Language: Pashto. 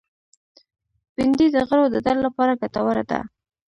بېنډۍ د غړو د درد لپاره ګټوره ده